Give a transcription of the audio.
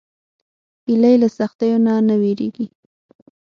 هیلۍ له سختیو نه نه وېرېږي